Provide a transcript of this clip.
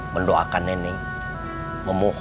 shalat maghrib berjamaah